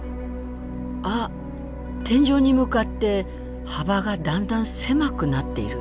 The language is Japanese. あっ天井に向かって幅がだんだん狭くなっている。